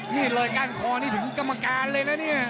นี่เลยก้านคอนี่ถึงกรรมการเลยนะเนี่ย